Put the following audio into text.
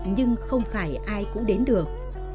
nhưng không phải ai cũng đến được